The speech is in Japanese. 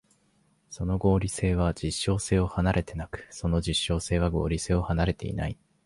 その合理性は実証性を離れてなく、その実証性は合理性を離れてない。